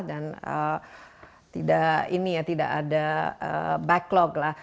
dan tidak ada backlog lah